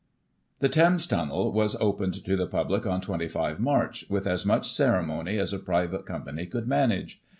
The Thames Tunnel was opened to the public on 25 March, with as much ceremony as a private company could manage.